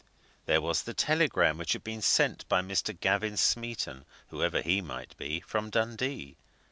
There was the telegram which had been sent by Mr. Gavin Smeaton whoever he might be from Dundee.